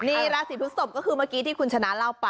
นี่ราศีพฤศพก็คือเมื่อกี้ที่คุณชนะเล่าไป